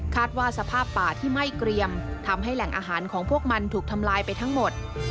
ว่าสภาพป่าที่ไหม้เกรียมทำให้แหล่งอาหารของพวกมันถูกทำลายไปทั้งหมด